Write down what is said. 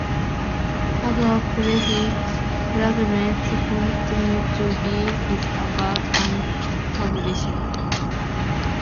Other papyrus fragments continue to be discovered and published.